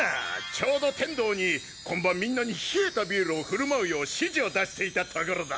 ちょうど天道に今晩みんなに冷えたビールを振る舞うよう指示を出していたところだ。